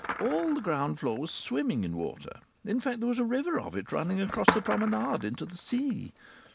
All the ground floor was swimming in water. In fact there was a river of it running across the promenade into the sea.